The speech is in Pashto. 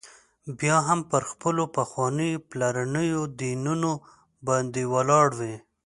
بیا هم پر خپلو پخوانیو پلرنيو دینونو باندي ولاړ وي.